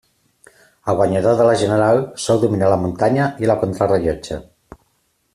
El guanyador de la general sol dominar la muntanya i la contra rellotge.